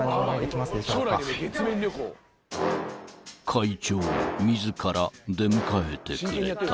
［会長自ら出迎えてくれた］